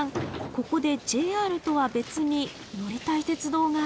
ここでＪＲとは別に乗りたい鉄道があるんです。